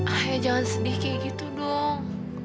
ayah jangan sedih kayak gitu dong